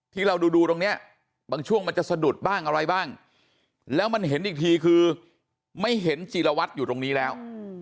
ที่เราดูตรงนี้บางช่วงมันจะสะดุดบ้างอะไรบ้างแล้วมันเห็นอีกทีคือไม่เห็นจีรวัตรอยู่ตรงนี้แล้ว